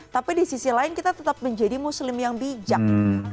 tapi di sisi lain kita tetap menjadi muslim yang bijak